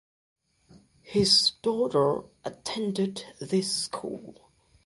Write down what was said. His daughter attended this school.